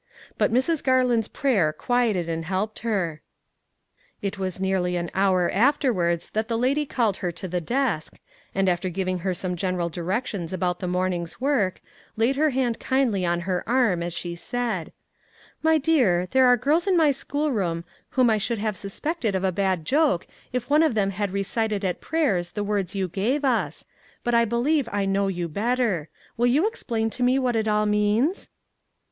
But Mrs. Garland's prayer quieted and helped her. It was nearly an hour afterwards that that lady called her to the desk, and after giving her some general directions about the morning's work, laid her hand kindly on her arm as she said :" My dear, there are girls in my school room whom I should have suspected of a bad joke if one of them had re cited at prayers the words you gave us, but I believe I know you better. Will you explain to me what it all means